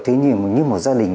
thì như một gia đình